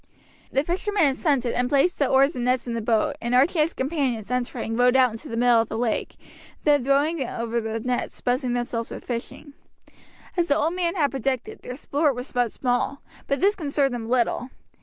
The fisherman assented, and placed the oars and nets in the boat, and Archie and his companions entering rowed out into the middle of the lake, and then throwing over the nets busied themselves with fishing. As the old man had predicted, their sport was but small, but this concerned them little.